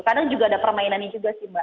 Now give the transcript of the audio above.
kadang juga ada permainannya juga sih mbak